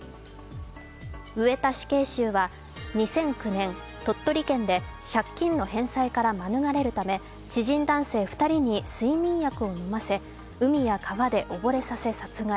上田死刑囚は、２００９年、鳥取県で借金の返済から免れるため知人男性２人に睡眠薬を飲ませ海や川で溺れさせ、殺害。